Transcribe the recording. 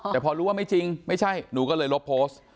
แต่พอรู้ว่าไม่จริงไม่ใช่หนูก็เลยลบโพสต์